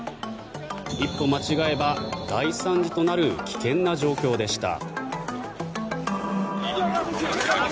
一歩間違えば大惨事となる危険な状況でした。